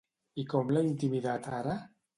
I com l'ha intimidat ara?